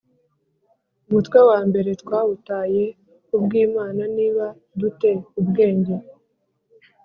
umutwe wambere twawutaye ku bw Imana niba du te ubwenge